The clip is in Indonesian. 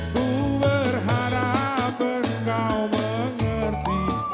ku berharap engkau mengerti